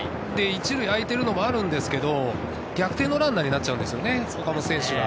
１塁あいてるのもあるんですけれど、逆転のランナーになっちゃうんですよね。